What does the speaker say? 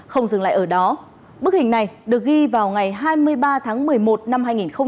không dừng lại ở đó bức hình này được ghi vào ngày hai mươi ba tháng một mươi một năm hai nghìn một mươi chín